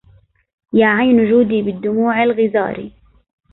يا عين جودي بالدموع الغزار